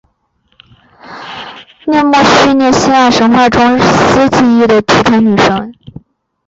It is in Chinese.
谟涅摩叙涅希腊神话中司记忆的提坦女神。